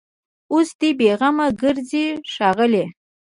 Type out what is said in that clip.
اوس دي بېغمه ګرځي ښاغلي